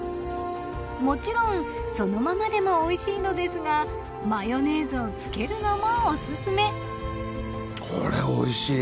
もちろんそのままでもおいしいのですがマヨネーズをつけるのもおすすめ。